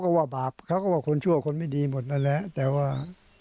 ก็ว่าบาปเขาก็ว่าคนชั่วคนไม่ดีหมดนั่นแหละแต่ว่า